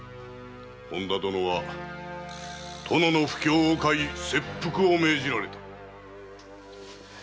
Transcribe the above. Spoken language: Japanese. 本田殿は殿の不興を買い切腹を命じられた。